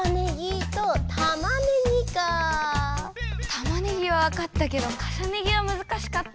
「たまねぎ」はわかったけど「かさねぎ」はむずかしかった。